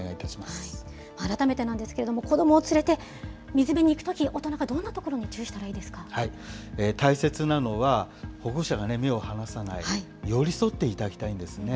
改めてなんですけど、子どもを連れて水辺に行くとき、大人がどんなところに注意したらいいで大切なのは、保護者が目を離さない、寄り添っていただきたいんですね。